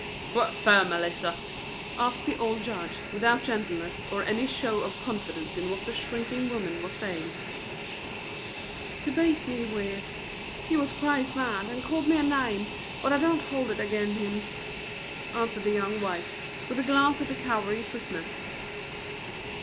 "What fer, Melissa?" asked the old judge, without gentleness or any show of confidence in what the shrinking woman was saying. "To beat me with. He war crazed mad and called me a name, but I don't hold it ag'in him," answered the young wife, with a glance at the cowering prisoner.